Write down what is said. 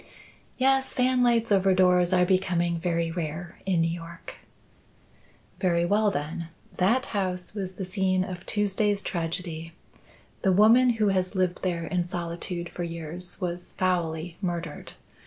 "Yes. Fanlights over doors are becoming very rare in New York." "Very well, then. That house was the scene of Tuesday's tragedy. The woman who has lived there in solitude for years was foully murdered.